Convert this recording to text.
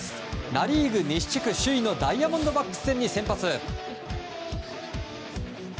ナ・リーグ西地区首位のダイヤモンドバックス戦に先発。